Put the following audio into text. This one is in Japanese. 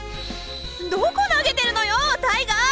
どこ投げてるのよタイガー！